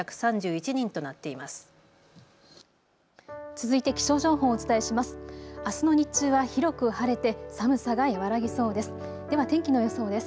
続いて気象情報をお伝えします。